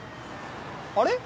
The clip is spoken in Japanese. あれ？